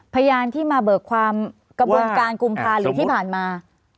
พยานที่มาเบิกความกระบวนการกุมภาหรือที่ผ่านมา